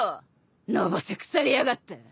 のぼせくさりやがって！